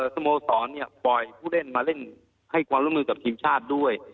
สโมสรปล่อยผู้เล่นมาเล่นให้ความร่วมมือกับทีมชาติด้วย